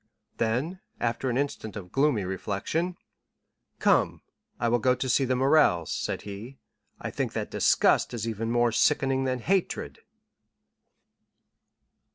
Then, after an instant of gloomy reflection, "Come, I will go to see the Morrels," said he; "I think that disgust is even more sickening than hatred."